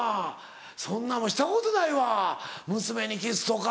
そんなもんしたことないわ娘にキスとか。